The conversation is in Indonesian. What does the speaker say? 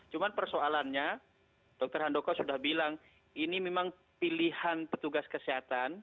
cuma persoalannya dokter handoko sudah bilang ini memang pilihan petugas kesehatan